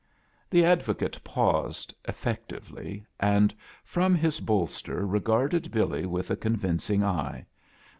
The advocate paused, effectively, and from his bolster regarded Billy with a con vindog eye.